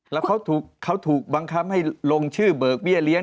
แล้วเขาถูกบังคับให้ลงชื่อเบิกเบี้ยเลี้ย